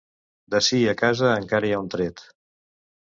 D'ací a casa encara hi ha un tret.